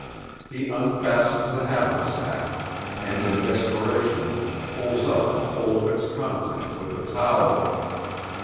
He unfastens the haversack, and in desperation pulls out the whole of its contents with the towel.